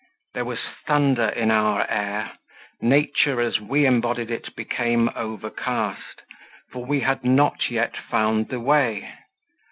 There was thunder in our air; nature, as we embodied it, became overcast for we had not yet found the way.